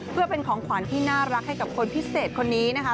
เพื่อเป็นของขวัญที่น่ารักให้กับคนพิเศษคนนี้นะคะ